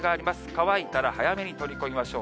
乾いたら早めに取り込みましょう。